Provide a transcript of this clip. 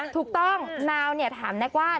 ถูกต้องนาวถามแน็กว่า